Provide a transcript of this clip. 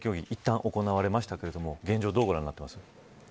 いったん行われましたが現状、どうご覧になってますか。